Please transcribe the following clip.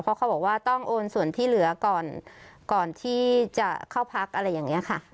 เพราะเขาบอกว่าต้องโอนส่วนที่เหลือก่อนก่อนที่จะเข้าพักอะไรอย่างนี้ค่ะ